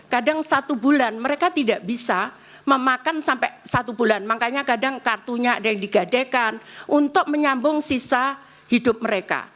kadang satu bulan mereka tidak bisa memakan sampai satu bulan makanya kadang kartunya ada yang digadekan untuk menyambung sisa hidup mereka